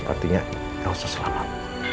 artinya elsa selamat